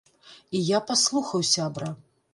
І я паслухаў сябра.